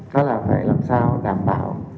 đó là phải làm sao đảm bảo